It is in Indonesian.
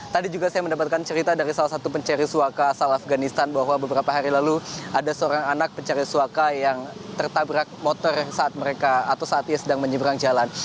tadi juga saya mendapatkan cerita dari salah satu pencari suaka asal afganistan bahwa beberapa hari lalu ada seorang anak pencari suaka yang tertabrak motor saat mereka atau saat ia sedang menyeberang jalan